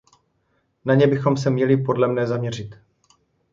Na ně bychom se měli podle mne zaměřit.